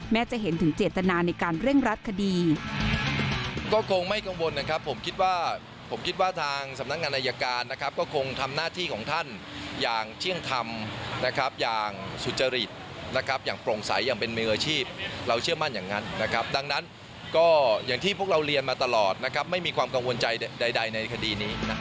จะเห็นถึงเจตนาในการเร่งรัดคดี